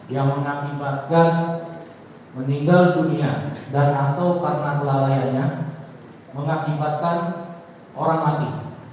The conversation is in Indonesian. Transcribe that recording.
yang mengakibatkan meninggal dunia dan atau karena kelalaiannya mengakibatkan orang mati